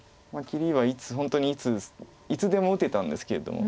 切りは本当にいついつでも打てたんですけれども。